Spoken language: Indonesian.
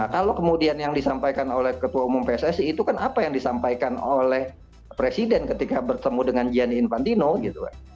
kalau kemudian yang disampaikan oleh ketua umum pssi itu kan apa yang disampaikan oleh presiden ketika bertemu dengan gianni infantino gitu kan